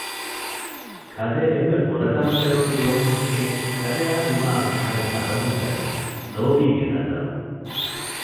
ކަލޭ އެންމެ ފުރަތަމަ ފެނުނު ދުވަހުން ފެށިގެން ކަލެއާ ދިމާއަށް އަހަރެން ބަލަމުންދަނީ ލޯބީގެ ނަޒަރުން